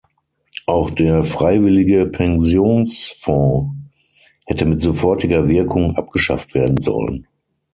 Auch der freiwillige Pensionsfonds hätte mit sofortiger Wirkung abgeschafft werden sollen.